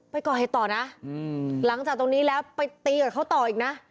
ไปก่อเหตุต่อนะหลังจากตรงนี้แล้วไปตีกับเขาต่ออีกนะ